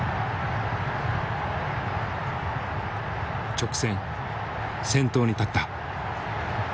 直線先頭に立った。